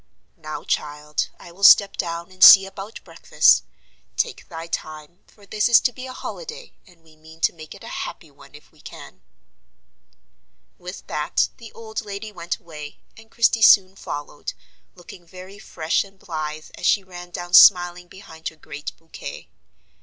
"Now, child, I will step down, and see about breakfast. Take thy time; for this is to be a holiday, and we mean to make it a happy one if we can." With that the old lady went away, and Christie soon followed, looking very fresh and blithe as she ran down smiling behind her great bouquet.